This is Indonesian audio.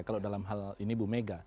kalau dalam hal ini bu mega